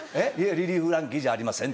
「リリー・フランキーじゃありません」